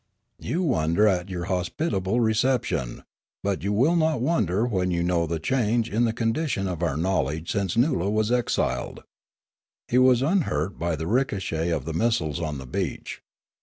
1 * You wonder at your hospitable reception. But you will not wonder when you know the change in the con dition of our knowledge since Noola was exiled. He was unhurt by the ricochet of the missiles on the beach.